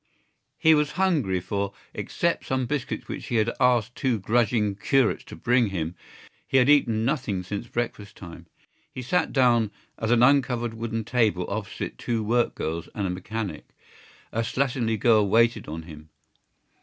He was hungry for, except some biscuits which he had asked two grudging curates to bring him, he had eaten nothing since breakfast time. He sat down at an uncovered wooden table opposite two work girls and a mechanic. A slatternly girl waited on him.